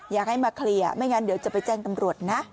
อยากให้มาเคลียร์ไม่งั้นเดี๋ยวจะไปแจ้งตำรวจนะ